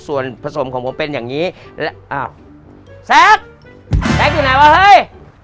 ส่วนผสมของผมเป็นอย่างนี้อ้าวแซคแซ็กอยู่ไหนวะเฮ้ย